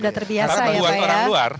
karena buat orang luar